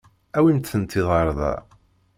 Awimt-tent-id ɣer da.